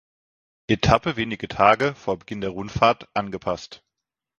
Etappe wenige Tage vor Beginn der Rundfahrt angepasst.